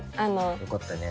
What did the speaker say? よかったね。